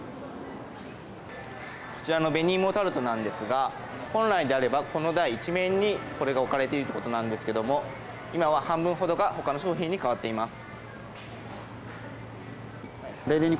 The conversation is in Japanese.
こちらの紅いもタルトなんですが本来であれば、この台一面にこれが置かれているということなんですけれども今は半分ほどが他の商品に代わっています。